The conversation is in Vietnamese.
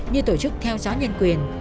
như tổ chức theo xóa nhân quyền